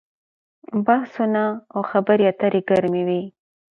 بحثونه او خبرې اترې ګرمې وي.